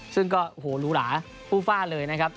ซึ่งก็หลูหลาผู้ฟ้าเลยนะครับ